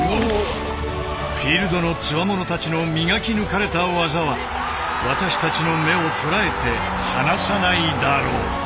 フィールドのつわものたちの磨き抜かれた技は私たちの目を捉えて離さないだろう。